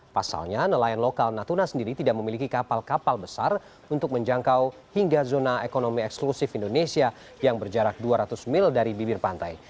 pasalnya nelayan lokal natuna sendiri tidak memiliki kapal kapal besar untuk menjangkau hingga zona ekonomi eksklusif indonesia yang berjarak dua ratus mil dari bibir pantai